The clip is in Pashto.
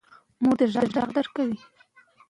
موږ له کلونو راهیسې په دې کلي کې اوسېږو.